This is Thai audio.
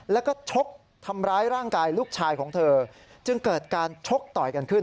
แล้วก็ชกทำร้ายร่างกายลูกชายของเธอจึงเกิดการชกต่อยกันขึ้น